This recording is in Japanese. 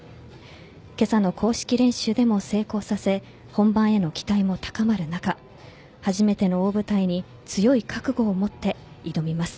今朝の公式練習でも成功させ本番への期待も高まる中初めての大舞台に強い覚悟を持って挑みます。